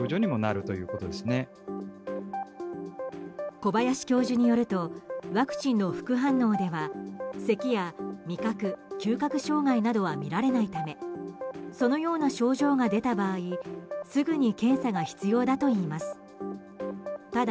小林教授によるとワクチンの副反応ではせきや味覚・嗅覚障害は見られないためそのような症状が出た場合すぐに検査が必要だといいます。